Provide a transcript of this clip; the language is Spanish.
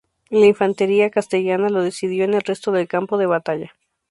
Y la infantería castellana lo decidió en el resto del campo de batalla.